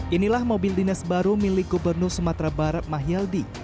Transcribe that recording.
inilah mobil dinas baru milik gubernur sumatera barat mahyaldi